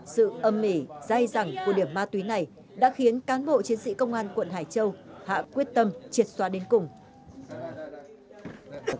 sự âm mỉ dai dẳng của điểm ma túy này đã khiến cán bộ chiến sĩ công an quận hải châu hạ quyết tâm triệt xóa đến cùng